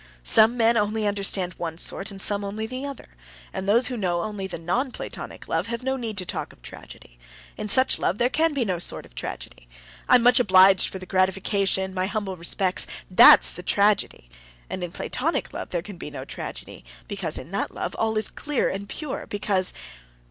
Some men only understand one sort, and some only the other. And those who only know the non platonic love have no need to talk of tragedy. In such love there can be no sort of tragedy. 'I'm much obliged for the gratification, my humble respects'—that's all the tragedy. And in platonic love there can be no tragedy, because in that love all is clear and pure, because...."